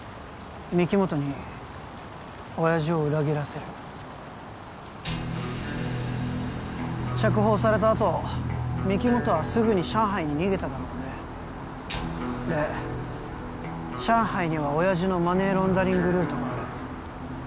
御木本に親爺を裏切らせる釈放されたあと御木本はすぐに上海に逃げただろうねで上海には親爺のマネーロンダリングルートがあるＭ＆Ａ